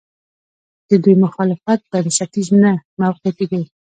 د دوی مخالفت بنسټیز نه، موقعتي دی.